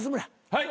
はい。